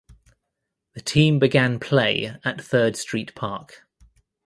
The team began play at Third Street Park.